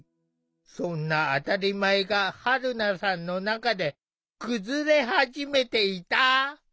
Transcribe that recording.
そんな当たり前がはるなさんの中で崩れ始めていた。